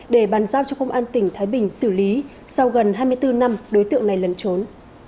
để bàn giao cho công an tỉnh thái bình xử lý sau gần hai mươi bốn năm đối tượng này lẩn trốn